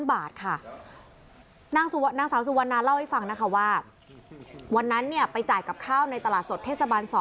วันนั้นเล่าให้ฟังนะคะว่าวันนั้นเนี่ยไปจ่ายกับข้าวในตลาดสดเทศบัน๒